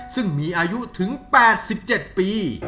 ซึ่งมีอายุถึง๘๗ปี